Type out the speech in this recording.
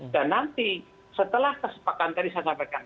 dan nanti setelah kesepakatan tadi saya sampaikan